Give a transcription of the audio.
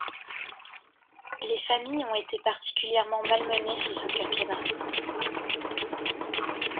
Les familles ont été particulièrement malmenées sous ce quinquennat.